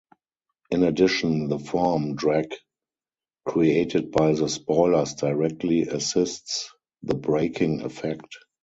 In addition, the form drag created by the spoilers directly assists the braking effect.